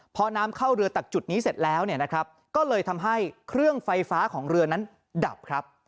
พอน้ำเข้าเรือตักจุดนี้เสร็จแล้วเนี่ยนะครับก็เลยทำให้เครื่องไฟฟ้าของเรือนั้นดับครับ